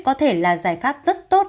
có thể là giải pháp rất tốt